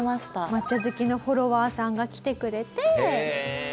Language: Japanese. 抹茶好きのフォロワーさんが来てくれて。